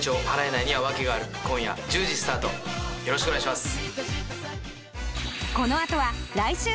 よろしくお願いします。